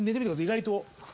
意外と。